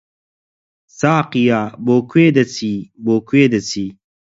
ساقییا! بۆ کوێ دەچی، بۆ کوێ دەچی؟